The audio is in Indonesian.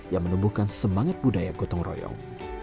yang menumbuhkan semangat budaya gotong royong